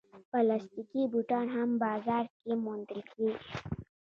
پلاستيکي بوټان هم بازار کې موندل کېږي.